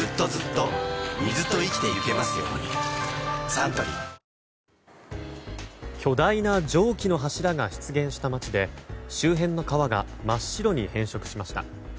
サントリー巨大な蒸気の柱が出現した町で周辺の川が真っ白に変色しました。